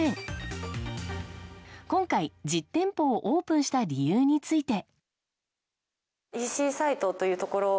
今回、実店舗をオープンした理由について。